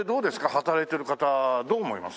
働いてる方どう思います？